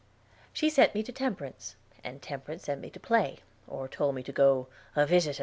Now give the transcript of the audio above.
She sent me to Temperance, and Temperance sent me to play, or told me to go "a visitin'."